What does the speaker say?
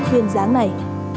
duyên dáng này